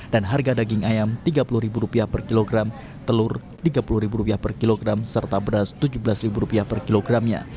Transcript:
dan harga daging ayam rp tiga puluh per kilogram telur rp tiga puluh per kilogram serta beras rp tujuh belas per kilogramnya